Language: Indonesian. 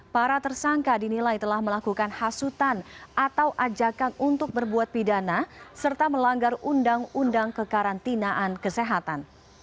para tersangka dinilai telah melakukan hasutan atau ajakan untuk berbuat pidana serta melanggar undang undang kekarantinaan kesehatan